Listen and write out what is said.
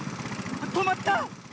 とまった！